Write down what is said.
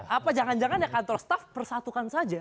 apa jangan jangan ya kantor staf persatukan saja